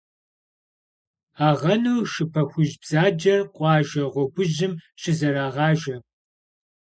Агъэну шы пэхужь бзаджэр къуажэ гъуэгужьым щызэрагъажэ.